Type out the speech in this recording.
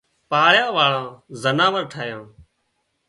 پاۯيا واۯان زناور ٺاهيان